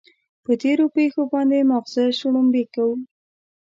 پر تېرو پېښو باندې ماغزه شړومبې کوو.